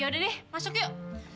ya udah deh masuk yuk